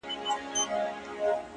o د تکراري حُسن چيرمني هر ساعت نوې یې ـ